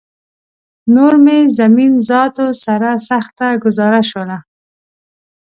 نور مې زمین ذاتو سره سخته ګوزاره شوله